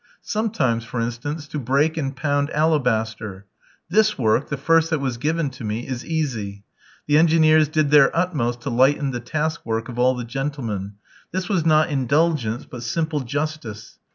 Sometimes, for instance, to break and pound alabaster. This work, the first that was given to me, is easy. The engineers did their utmost to lighten the task work of all the gentlemen; this was not indulgence, but simple justice.